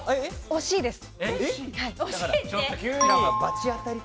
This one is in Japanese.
惜しいです。